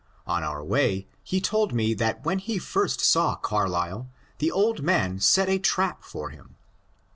On our way he told me that when he first saw Carlyle the old man set a trap for him.